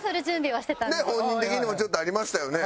本人的にもちょっとありましたよね？